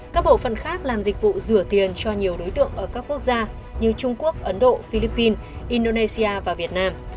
các bộ phận khác làm dịch vụ rửa tiền cho nhiều đối tượng ở các quốc gia như trung quốc ấn độ philippines indonesia và việt nam